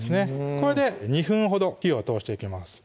これで２分ほど火を通していきます